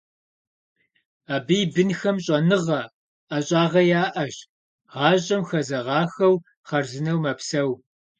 Абы и бынхэм щӀэныгъэ, ӀэщӀагъэ яӀэщ, гъащӀэм хэзэгъахэу хъарзынэу мэпсэу.